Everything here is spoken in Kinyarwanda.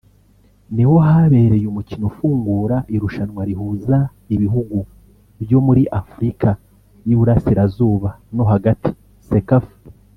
niho habereye umukino ufungura irushanwa rihuza ibihugu byo muri Afurika y’i Burasirazuba no hagati “Cecafa”